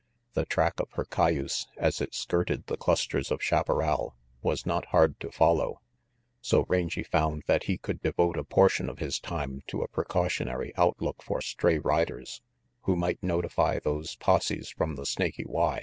The track of her cayuse, as it skirted the clusters of chaparral, was not hard to follow, so Rangy found 248 RANGY PETE that he could devote a portion of his time to a pre cautionary outlook for stray riders who might notify those posses from the Snaky Y.